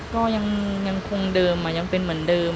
ก็ยังคงเดิมยังเป็นเหมือนเดิม